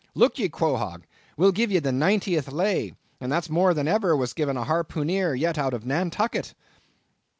Look ye, Quohog, we'll give ye the ninetieth lay, and that's more than ever was given a harpooneer yet out of Nantucket."